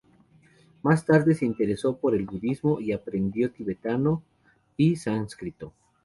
Más tarde se interesó por el budismo y aprendió tibetano y sánscrito.